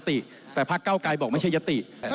แต่พระก้วไกรบอกว่าไม่ใช่ยศริ